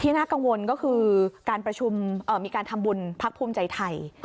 น่ากังวลก็คือการประชุมมีการทำบุญพักภูมิใจไทย